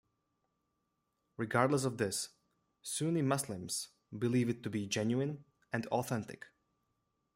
Regardless of this, Sunni Muslims believe it to be genuine and authentic.